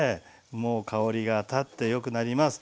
もう香りが立ってよくなります。